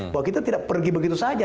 bahwa kita tidak pergi begitu saja